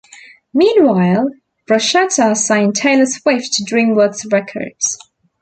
Meanwhile, Borchetta signed Taylor Swift to DreamWorks Records.